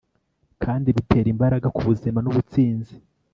kandi bitera imbaraga kubuzima nubutsinzi